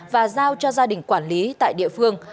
và giao cho gia đình quản lý tại địa phương